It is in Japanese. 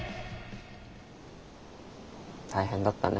大変だったね。